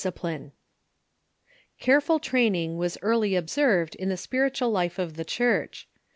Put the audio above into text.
] Careful training was early observed in the spiritual life of the Church.